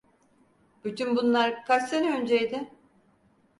Bütün bunlar kaç sene önceydi?